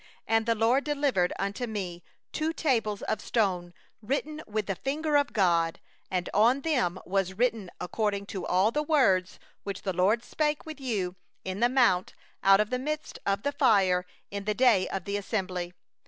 10And the LORD delivered unto me the two tables of stone written with the finger of God; and on them was written according to all the words, which the LORD spoke with you in the mount out of the midst of the fire in the day of the assembly.